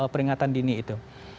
peringatan dini itu